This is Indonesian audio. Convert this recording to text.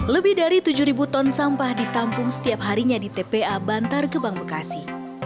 lebih dari tujuh ton sampah ditampung setiap harinya di tpa bantar gebang bekasi